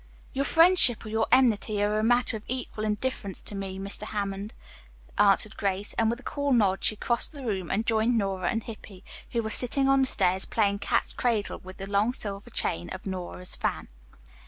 "Your friendship or your enmity are a matter of equal indifference to me, Mr. Hammond," answered Grace, and with a cool nod she crossed the room and joined Nora and Hippy, who were sitting on the stairs playing cats' cradle with the long silver chain of Nora's fan.